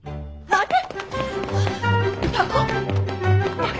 待て！